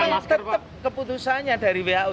memang tetap keputusannya dari who